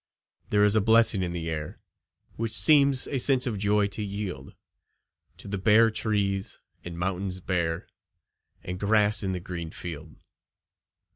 There is a blessing in the air, Which seems a sense of joy to yield To the bare trees, and mountains bare, And grass in the green field.